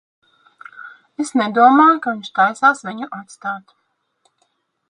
Es nedomāju, ka viņš taisās viņu atstāt.